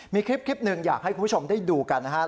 มีคลิปหนึ่งอยากให้คุณผู้ชมได้ดูกันนะครับ